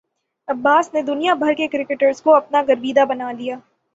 عباس نے دنیا بھر کے کرکٹرز کو اپنا گرویدہ بنا لیا